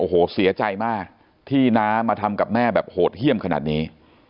โอ้โหเสียใจมากที่น้ามาทำกับแม่แบบโหดเยี่ยมขนาดนี้